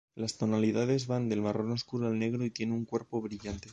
Las tonalidades van del marrón oscuro a negro y tiene un cuerpo brillante.